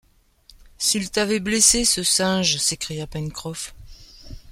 S’il t’avait blessé, ce singe. .. s’écria Pencroff